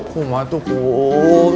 kum atuh kum